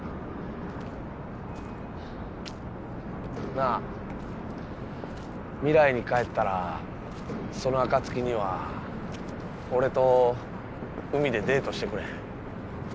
なあ未来に帰ったらその暁には俺と海でデートしてくれへん？